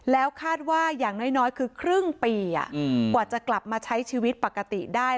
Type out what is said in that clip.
แล้วคาดว่าอย่างน้อยคือครึ่งปีกว่าจะกลับมาใช้ชีวิตปกติได้